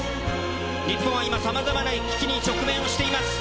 日本は今、さまざまな危機に直面しています。